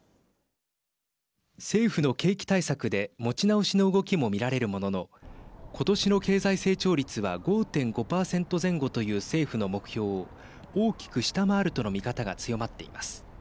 政府の景気対策で持ち直しの動きも見られるものの今年の経済成長率は５．５％前後という政府の目標を大きく下回るとの見方が強まっています。